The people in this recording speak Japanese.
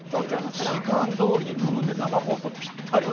時間どおりに飛ぶので生放送ピッタリ！